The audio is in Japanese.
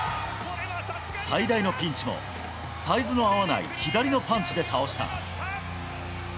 最大のピンチもサイズの合わない左のパンチで倒した。